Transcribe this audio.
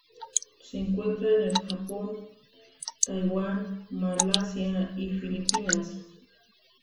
Se encuentra en el Japón, Taiwán, Malasia y Filipinas.